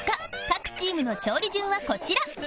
各チームの調理順はこちら